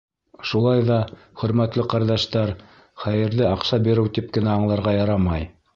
Шулай ҙа, хөрмәтле ҡәрҙәштәр, хәйерҙе аҡса биреү тип кенә аңларға ярамай.